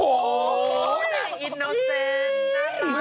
โอ้โหนายอินโนเซนนั่นล่ะ